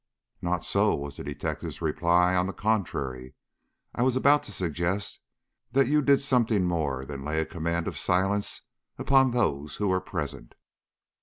"Not so," was the detective's ready reply. "On the contrary, I was about to suggest that you did something more than lay a command of silence upon those who were present."